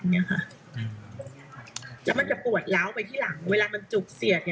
แล้วมันจะปวดล้าวไปที่หลังเวลามันจุกเสียด